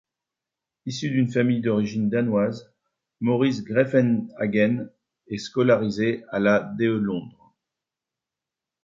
Issu d'une famille d'origine danoise, Maurice Greiffenhagen est scolarisé à la de Londres.